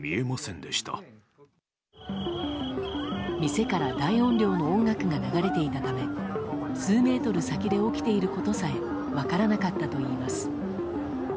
店から大音量の音楽が流れていたため数メートル先で起きていることさえ分からなかったといいます。